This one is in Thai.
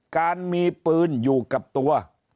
การมีปืนอยู่กับตัว